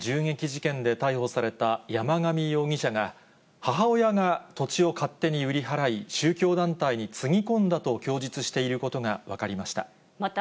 安倍元総理大臣銃撃事件で逮捕された山上容疑者が、母親が土地を勝手に売り払い、宗教団体につぎ込んだと供述していることが分かりました。